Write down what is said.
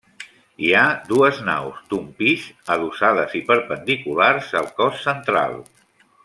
Hi ha dues naus, d'un pis, adossades i perpendiculars al cos central.